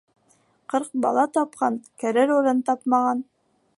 Ҡырҡ бала тапҡан, керер урын тапмаған.